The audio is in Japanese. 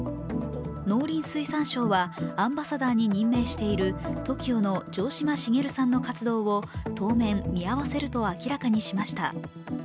農林水産省は、アンバサダーに任命しているＴＯＫＩＯの城島茂さんの活動を、当面、見合わせると明らかにしました。